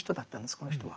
この人は。